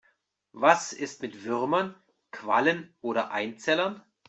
Was ist mit Würmern, Quallen oder Einzellern?